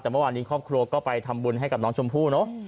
แต่เมื่อวานนี้ครอบครัวก็ไปทำบุญให้กับน้องชมพู่เนอะ